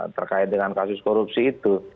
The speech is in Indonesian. terkait dengan kasus korupsi itu